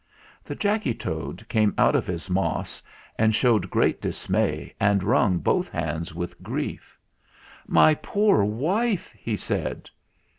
The Jacky Toad came out of his moss and showed great dismay and wrung both hands with grief. "My poor wife !" he said.